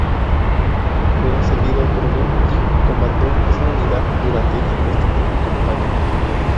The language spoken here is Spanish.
Fue ascendido a coronel y comandó esa unidad durante el resto de la campaña.